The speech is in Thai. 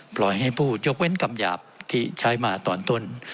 ปล่อยให้ผู้ยกเว้นกำหยาบที่ใช้มาตอนต้น